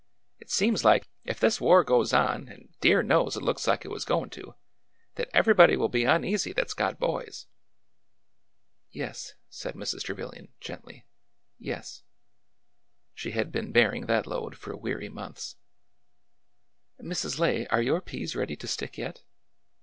It seems like, ef this war goes on,— and, dear knows, it looks like it was goin' to, — that everybody will be uneasy that 's got boys." Yes," said Mrs. Trevilian, gently; "yes." She had been bearing that load for weary months. " Mrs. Lay, are your peas ready to stick yet